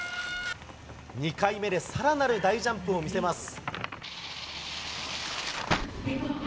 ２回目でさらなる大ジャンプを見せます。